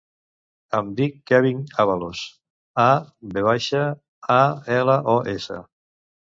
Em dic Kevin Avalos: a, ve baixa, a, ela, o, essa.